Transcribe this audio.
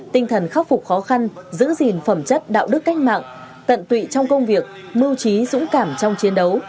tinh thần khắc phục khó khăn giữ gìn phẩm chất đạo đức cách mạng tận tụy trong công việc mưu trí dũng cảm trong chiến đấu